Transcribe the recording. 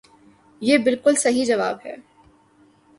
یہ بلکل صحیح جواب ہے۔